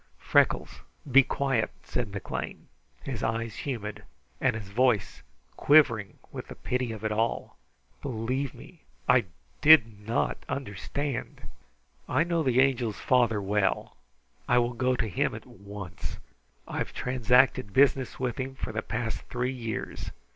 "Freckles, be quiet!" said McLean, his eyes humid and his voice quivering with the pity of it all. "Believe me, I did not understand. I know the Angel's father well. I will go to him at once. I have transacted business with him for the past three years.